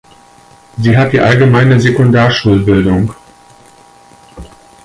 Sie hat die allgemeine Sekundarschulbildung.